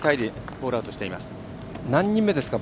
何人目ですか？